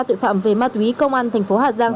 tội phạm về ma túy công an thành phố hà giang